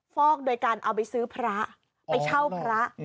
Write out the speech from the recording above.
ฟอกโดยการเอาไปซื้อพระไปเช่าพระ